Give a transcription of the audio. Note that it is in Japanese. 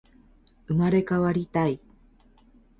生まれ変わりたい